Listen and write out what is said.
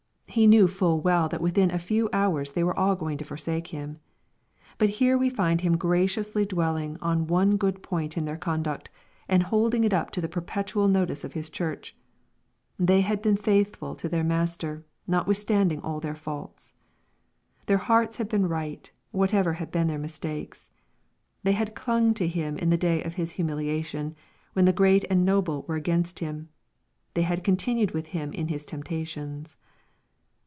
He knew full well that within a few hours they were all going to forsake Him. But here we find Him graciously dwelling on one good point in their conduct, and holding it up to the perpetual no tice of His Church. They had been faithful to their Mas ter, notwithstanding all their faults. Their hearts had been right, whatever had been their mistakes. They had clung to Him in the day of His humiliation, when tlie great and noble were against Him. They had '' con tinued with Him in His temptations."